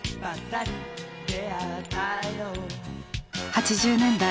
８０年代